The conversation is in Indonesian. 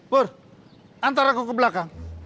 bur antar aku ke belakang